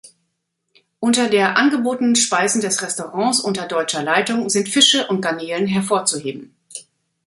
Unter der angebotenen Speisen des Restaurants unter deutscher Leitung sind Fische und Garnelen hervorzuheben.